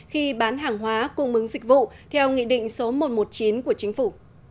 khi bán hàng hóa cung ứng dịch vụ theo nghị định số một trăm một mươi chín của chính phủ